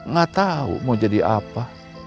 gak tahu mau jadi apa